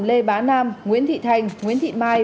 lê bá nam nguyễn thị thành nguyễn thị mai